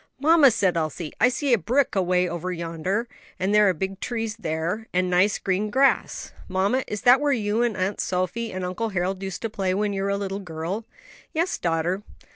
"Mamma!" said Elsie. "I see a brook away over yonder; and there are big trees there, and nice green grass. Mamma, is that where you and Aunt Sophie and Uncle Harold used to play when you were a little girl?" "Yes, daughter."